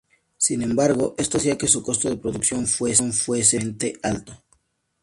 Sin embargo, esto hacía que su costo de producción fuese sumamente alto.